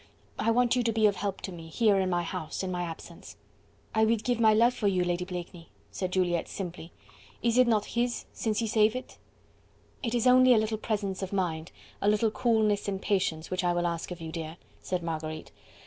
I want you to be of help to me, here in my house, in my absence." "I would give my life for you, Lady Blakeney," said Juliette simply, "is it not HIS since he saved it?" "It is only a little presence of mind, a little coolness and patience, which I will ask of you, dear," said Marguerite.